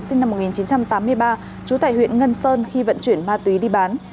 sinh năm một nghìn chín trăm tám mươi ba trú tại huyện ngân sơn khi vận chuyển ma túy đi bán